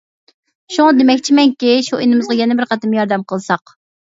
شۇڭا دېمەكچىمەنكى شۇ ئىنىمىزغا يەنە بىر قېتىم ياردەم قىلساق.